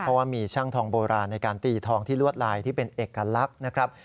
เพราะว่ามีช่างทองโบราณในการตีทองที่ลวดลายที่เป็นเอกลักษณ์นะครับ